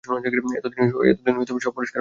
এতদিনে সব পরিষ্কার হলো!